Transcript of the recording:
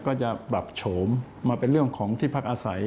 ก็จะปรับโฉมมาเป็นเรื่องของที่พักอาศัย